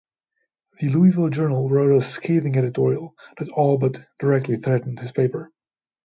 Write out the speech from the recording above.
The Louisville Journal wrote a scathing editorial that all but directly threatened his paper.